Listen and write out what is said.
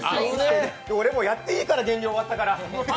俺、もうやっていいんで、減量終わったので。